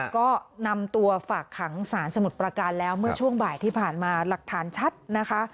ก็นำตัวฝากขังสารสมุทรประการแล้วเมื่อช่วงบ่ายที่ผ่านมาหลักฐานชัดนะคะ